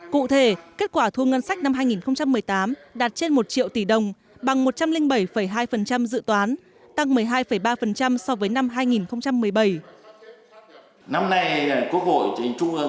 cụ thể kết quả thu ngân sách năm hai nghìn một mươi tám đạt trên một triệu tỷ đồng bằng một trăm linh bảy hai dự toán tăng một mươi hai ba so với năm hai nghìn một mươi bảy